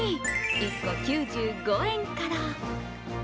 １個９５円から。